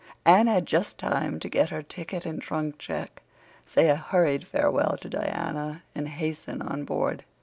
Anne had just time to get her ticket and trunk check, say a hurried farewell to Diana, and hasten on board.